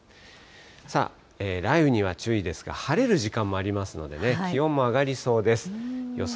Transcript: さあ、雷雨には注意ですが、晴れる時間もありますのでね、気温も上がりそうです。